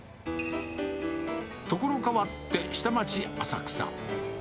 所変わって、下町、浅草。